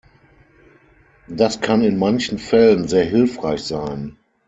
Das kann in manchen Fällen sehr hilfreich sein.